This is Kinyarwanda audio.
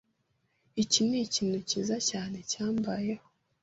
Iki nikintu cyiza cyane cyambayeho.